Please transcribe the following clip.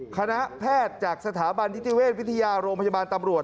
คณะแพทย์จากสถาบันนิติเวชวิทยาโรงพยาบาลตำรวจ